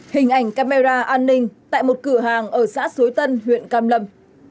hình ảnh camera an ninh tại một cửa hàng ở xã suối tân huyện cam lâm